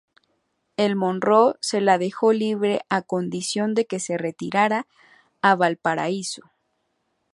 El "Monroe" se le dejó libre a condición de que se retirara a Valparaíso.